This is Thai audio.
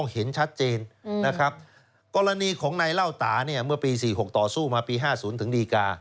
เห็นไหมตลอด